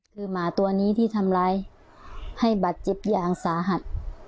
คือหมาตัวนี้ที่ทำไรให้บัดจิบยางสาหัด